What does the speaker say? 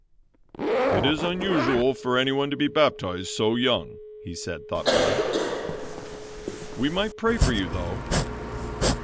"It is unusual for anyone to be baptized so young," he said, thoughtfully, "We might pray for you though."